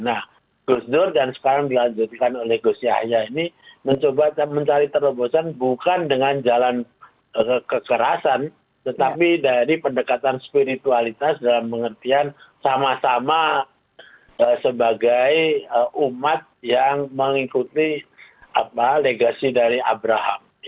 nah gus dur dan sekarang dilanjutkan oleh gus yahya ini mencoba mencari terlepasan bukan dengan jalan kekerasan tetapi dari pendekatan spiritualitas dalam pengertian sama sama sebagai umat yang mengikuti legasi dari abraham